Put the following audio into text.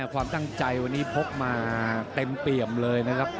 ความตั้งใจวันนี้พกมาเต็มเปี่ยมเลยนะครับ